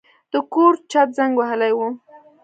د کور چت زنګ وهلی و.